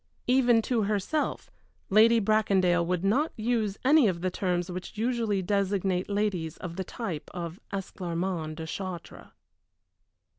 Even to herself Lady Bracondale would not use any of the terms which usually designate ladies of the type of Esclarmonde de Chartres.